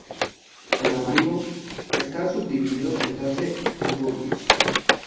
Paramaribo está subdividido en doce suburbios